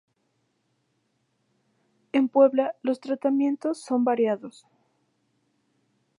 En Puebla, los tratamientos son variados.